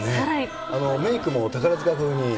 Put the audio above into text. メークも宝塚風に。